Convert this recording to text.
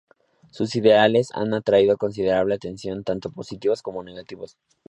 Sus ideales han atraído considerable atención, tanto positivos como negativos.